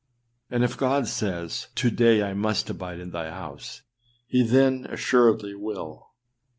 And if God says, âTo day 1 must abide in thy house,â he then assuredly will.